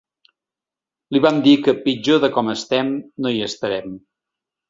Li vam dir que pitjor de com estem no hi estarem.